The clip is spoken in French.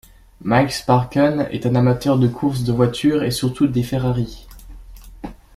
Mike Sparken est un amateur de course de voitures et surtout des Ferrari.